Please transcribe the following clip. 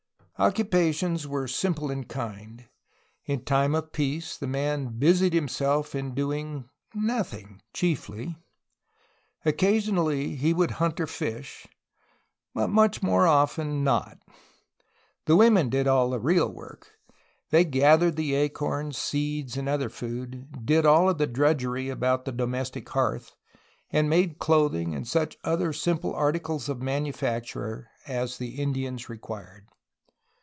Occupations were simple in kind. In time of peace the man "busied himself^' in doing nothing, chiefly. Occasion ally, he would hunt or fish, but much more often not. The women did all of the real work. They gathered the acorns, seeds, and other food, did all of the drudgery about the domestic hearth, and made clothing and such other simple articles of manufacture as the Indians required.